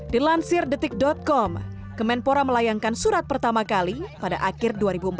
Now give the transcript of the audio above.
dilansir detik com kemenpora melayangkan surat pertama kali pada akhir dua ribu empat belas